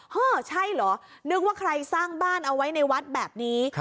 เออใช่เหรอนึกว่าใครสร้างบ้านเอาไว้ในวัดแบบนี้